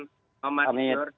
selamat malam bang isur